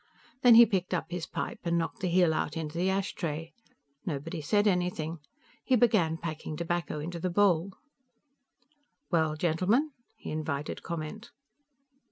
Then he picked up his pipe and knocked the heel out into the ashtray. Nobody said anything. He began packing tobacco into the bowl. "Well, gentlemen?" He invited comment.